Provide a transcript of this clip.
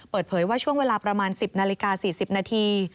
เปิดเผยว่าช่วงเวลาประมาณ๑๐นาฬิกา๔๐นาที